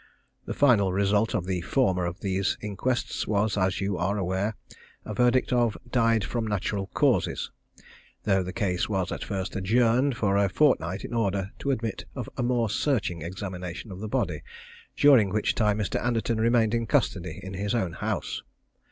The final result of the former of these inquests was, as you are aware, a verdict of "Died from natural causes," though the case was at first adjourned for a fortnight in order to admit of a more searching examination of the body, during which time Mr. Anderton remained in custody in his own house.